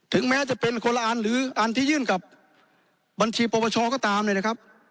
แม้จะเป็นคนละอันหรืออันที่ยื่นกับบัญชีปรปชก็ตามเนี่ยนะครับ